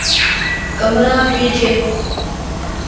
ڪمرآ ڀي ڇي ۔